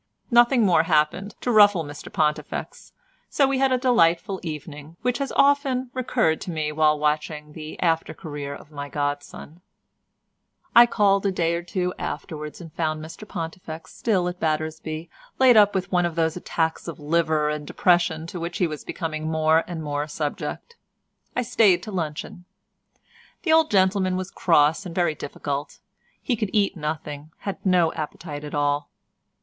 Nothing more happened to ruffle Mr Pontifex, so we had a delightful evening, which has often recurred to me while watching the after career of my godson. I called a day or two afterwards and found Mr Pontifex still at Battersby, laid up with one of those attacks of liver and depression to which he was becoming more and more subject. I stayed to luncheon. The old gentleman was cross and very difficult; he could eat nothing—had no appetite at all.